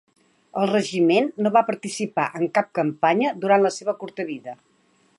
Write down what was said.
El regiment no va participar en cap campanya durant la seva curta vida.